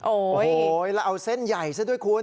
โอ้โหแล้วเอาเส้นใหญ่ซะด้วยคุณ